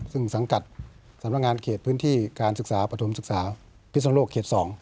ซึ่งสังกัดสำนักงานเขตพื้นที่การศึกษาปฐมศึกษาพิศนโลกเขต๒